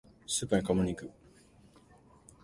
スーパーに買い物に行く。